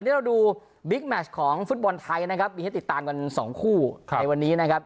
ที่เราดูบิ๊กแมชของฟุตบอลไทยนะครับมีให้ติดตามกันสองคู่ในวันนี้นะครับ